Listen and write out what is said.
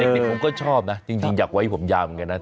เด็กผมก็ชอบนะจริงอยากไว้ผมยาวเหมือนกันนะ